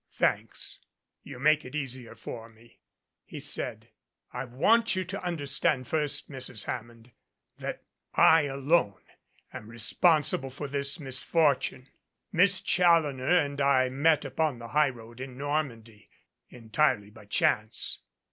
"Thanks. You make it easier for me," he said. "I want you to understand first, Mrs. Hammond, that I alone am responsible for this misfortune. Miss Challoner and I met upon the highroad in Normandy, entirely by chance.